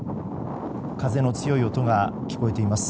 風の強い音が聞こえています。